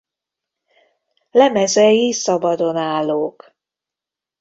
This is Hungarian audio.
Lemezei szabadon állók.